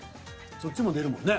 そっちも出るもんね。